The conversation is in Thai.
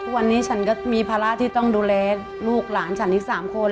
วันนี้ฉันก็มีภาระที่ต้องดูแลลูกหลานฉันอีก๓คน